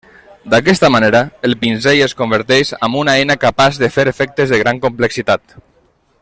D'aquesta manera el pinzell es converteix amb una eina capaç de fer efectes de gran complexitat.